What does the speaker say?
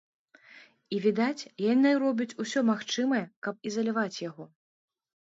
І відаць, яны робяць усё магчымае, каб ізаляваць яго.